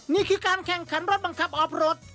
นี่คือการแข่งขันรถบังคับออฟรถ